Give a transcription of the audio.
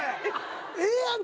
ええやん